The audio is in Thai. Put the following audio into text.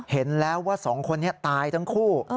เห็นแล้วว่า๒คนตายทั้งคู่